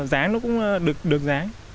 dáng nó cũng được dáng